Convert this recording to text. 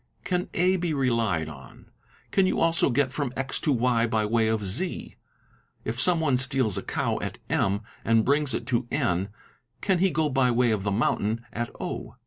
'Can A be relied on?' 'Can you also get from X to Y by way of Z?" "If someone 'steals a cow at M and brings it to N, can he go by way of the mountain at 0?"